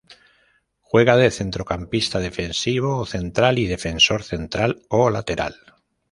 Juega de centrocampista defensivo o central y defensor central o lateral.